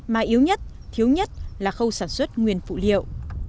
mà yếu nhất thiếu nhất là khâu sản xuất nguyên phụ liệu